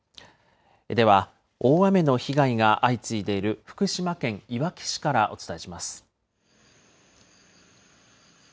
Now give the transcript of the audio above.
では大雨の被害が相次いでいる福島県いわき市からお伝えします。